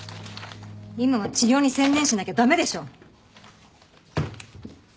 今は治療に専念しなきゃ駄目でしょう！